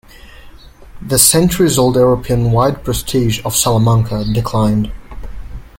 The centuries-old European wide prestige of Salamanca declined.